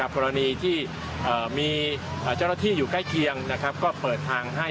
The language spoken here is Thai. กรณีที่มีเจ้าหน้าที่อยู่ใกล้เคียงก็เปิดทางให้